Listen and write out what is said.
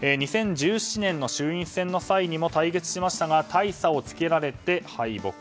２０１７年の参院選の際も対立しましたが大差をつけられて敗北。